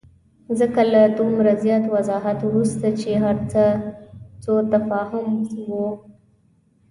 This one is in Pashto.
ځکه له دومره زیات وضاحت وروسته چې هرڅه سوءتفاهم وو.